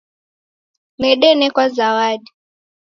Dedenekwa zawadi.